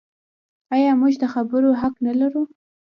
آیا موږ د خبرو حق نلرو؟